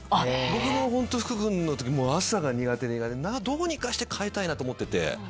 僕も福君みたいに朝が苦手でどうにかして変えたいなと思ってて。